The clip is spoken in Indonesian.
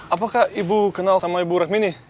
apakah ibu kenal sama ibu rekmini